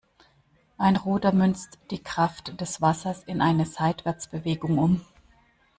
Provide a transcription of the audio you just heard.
Ein Ruder münzt die Kraft des Wassers in eine Seitwärtsbewegung um.